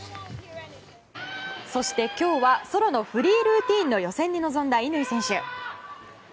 そして今日はソロのフリールーティンの予選に臨んだ乾選手。